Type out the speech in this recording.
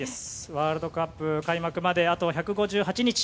ワールドカップ開幕まであと１５８日。